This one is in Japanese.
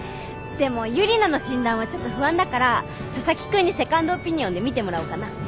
でもユリナの診断はちょっと不安だから佐々木くんにセカンドオピニオンで診てもらおうかな。